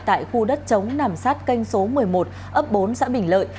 tại khu đất chống nằm sát kênh số một mươi một ấp bốn xã bình lợi